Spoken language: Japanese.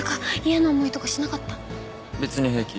別に平気。